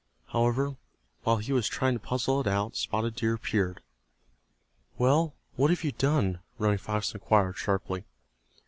However, while he was trying to puzzle it out Spotted Deer appeared. "Well, what have you done?" Running Fox inquired, sharply.